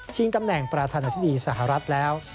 ชิงตำแหน่งประธานทฤษฎีสหรัฐแล้ว